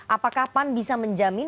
apakah pan bisa menjamin